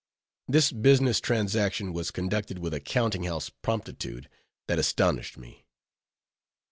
This business transaction was conducted with a counting house promptitude that astonished me.